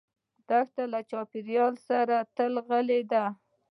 دښته له چاپېریال سره تل غلي ده.